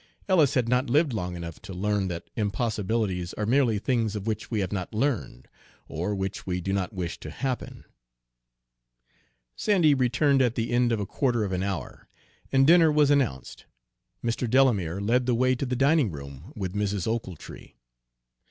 Ellis had not lived long enough to learn that impossibilities are merely things of which we have not learned, or which we do not wish to happen. Sandy returned at the end of a quarter of an hour, and dinner was announced. Mr. Delamere led the way to the dining room with Mrs. Ochiltree.